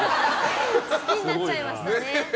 好きになっちゃいましたね。